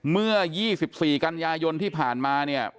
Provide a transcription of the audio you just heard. เมื่อ๒๔กันยายนที่ผ่านมาเนี่ย